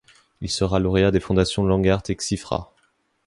Il sera lauréat des fondations Langart et Cziffra.